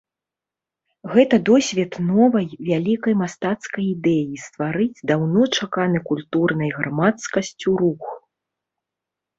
Гэта досвед новай вялікай мастацкай ідэі стварыць даўно чаканы культурнай грамадскасцю рух.